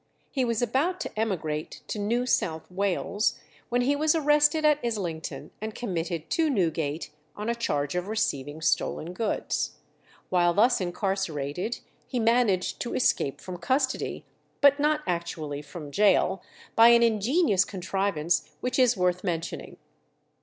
He was about to emigrate to New South Wales, when he was arrested at Islington and committed to Newgate on a charge of receiving stolen goods. While thus incarcerated he managed to escape from custody, but not actually from gaol, by an ingenious contrivance which is worth mentioning.